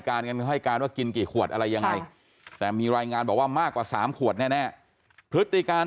การอะไรยังไงแต่มีรายงานบอกว่ามากกว่า๓ขวดแน่พฤติการ